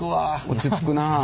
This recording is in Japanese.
落ち着くなあ。